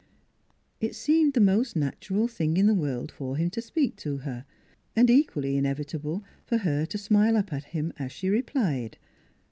It seemed the most natural thing in the world for him to speak to her, and equally inevitable for her to smile up at him as she replied.